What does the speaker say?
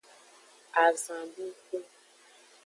Azanduxu.